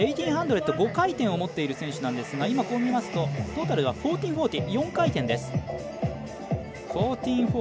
１８００、５回転を持っている選手なんですが今、こう見ますとトータルは１４４０４回転です。